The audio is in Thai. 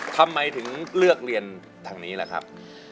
ทำไมถึงเลือกเรียนทางนี้ล่ะครับ